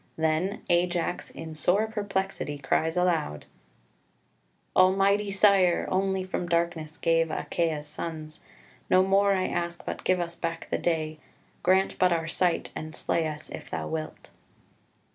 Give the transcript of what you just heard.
Then Ajax in sore perplexity cries aloud "Almighty Sire, Only from darkness save Achaia's sons; No more I ask, but give us back the day; Grant but our sight, and slay us, if thou wilt."